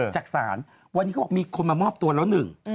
จากศาลวันนี้เขาบอกมีคนมามอบตัวแล้วหนึ่ง